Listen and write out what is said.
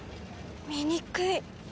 醜い。